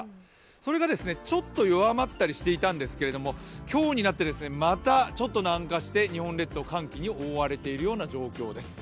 それがちょっと弱まったりしていたんですけど今日になって、またちょっと南下して、日本列島寒気に覆われているような状況です。